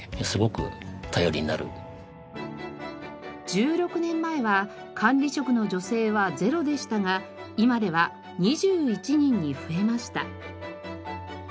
１６年前は管理職の女性は０でしたが今では２１人に増えました。